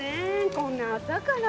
こんな朝から。